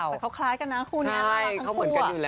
แต่เขาคล้ายกันนะคู่นี้น่ารักทั้งคู่